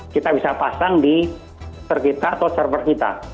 kita bisa pasang di ser kita atau server kita